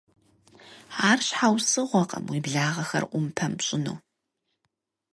Ар щхьэусыгъуэкъым уи благъэхэр Ӏумпэм пщӀыну.